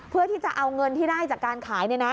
เพื่อที่จะเอาเงินที่ได้จากการขาย